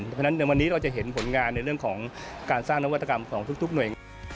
เพราะฉะนั้นในวันนี้เราจะเห็นผลงานในเรื่องของการสร้างนวัตกรรมของทุกหน่วย